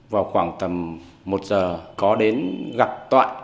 vào khoảng tầm một giờ có đến gặp toại